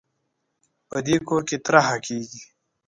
په دې کور کې طرحه کېږي